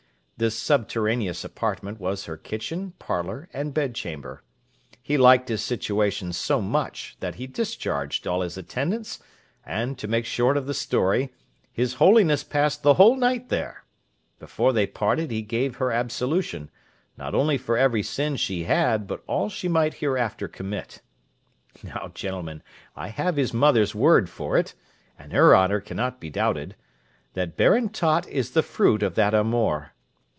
This subterraneous apartment was her kitchen, parlour, and bed chamber. He liked his situation so much that he discharged all his attendants, and to make short of the story, His Holiness passed the whole night there! Before they parted he gave her absolution, not only for every sin she had, but all she might hereafter commit. _Now, gentlemen, I have his mother's word for it (and her honour cannot be doubted), that Baron Tott is the fruit of that amour.